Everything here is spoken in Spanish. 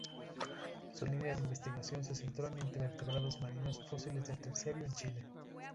Su línea de investigación se centró en invertebrados marinos fósiles del Terciario en Chile.